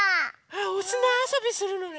おすなあそびするのね。